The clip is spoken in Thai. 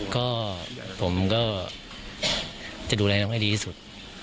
ก็ผมก็จะดูแลน้องให้ดีที่สุด